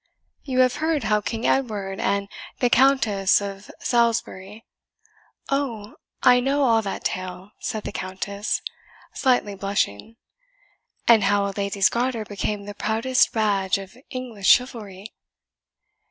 You have heard how King Edward and the Countess of Salisbury " "Oh, I know all that tale," said the Countess, slightly blushing, "and how a lady's garter became the proudest badge of English chivalry."